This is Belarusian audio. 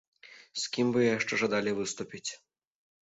З кім бы яшчэ жадалі выступіць?